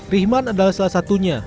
rihman adalah salah satunya